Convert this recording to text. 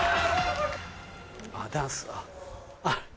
ダンスあっ。